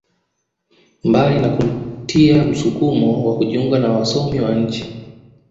Mbali na kumtia msukumo wa kujiunga na wasomi wa nchi